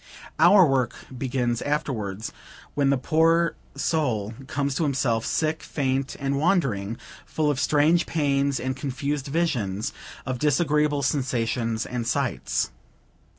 Our work begins afterward, when the poor soul comes to himself, sick, faint, and wandering; full of strange pains and confused visions, of disagreeable sensations and sights.